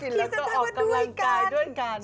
กินแล้วก็ออกกำลังกายด้วยกัน